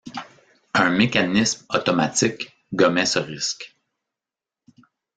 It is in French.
Un mécanisme automatique gommait ce risque.